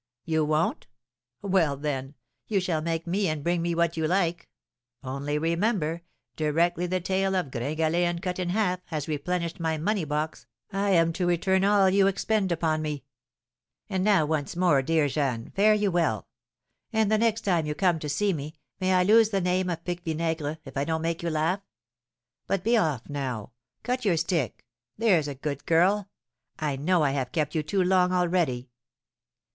You won't? Well, then, you shall make me and bring me what you like; only remember, directly the tale of 'Gringalet and Cut in Half' has replenished my money box, I am to return all you expend upon me. And now once more, dear Jeanne, fare you well! And the next time you come to see me, may I lose the name of Pique Vinaigre if I don't make you laugh! But be off now; cut your stick, there's a good girl! I know I have kept you too long already."